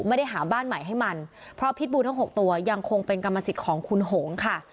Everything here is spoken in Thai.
ไม่ได้หาบ้านใหม่ให้มันเพราะพิษบูทั้ง๖ตัวยังคงเป็นกรรมสิทธิ์ของคุณหงค่ะ